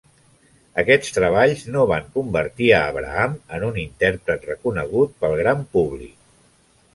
Aquests treballs no van convertir a Abraham en un intèrpret reconegut pel gran públic.